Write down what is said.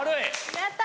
やった。